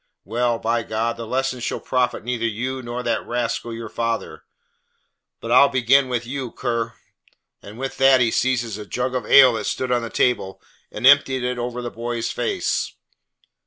Well, by God! the lesson shall profit neither you nor that rascal your father. But I'll begin with you, you cur." And with that he seizes a jug of ale that stood on the table, and empties it over the boy's face.